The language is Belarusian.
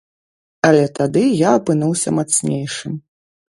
Але тады я апынуўся мацнейшым.